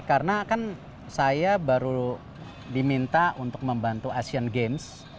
karena kan saya baru diminta untuk membantu asian games